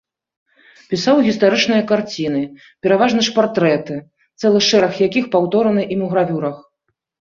Пісаў гістарычныя карціны, пераважна ж партрэты, цэлы шэраг якіх паўтораны ім у гравюрах.